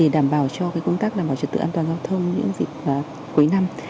để đảm bảo cho công tác đảm bảo trực tự an toàn giao thông những dịch cuối năm